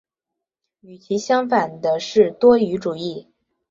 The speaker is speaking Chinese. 与其相反的是多语主义。